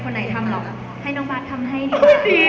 วันนี้เห็นบอกว่าจะมีการทำทีเม้น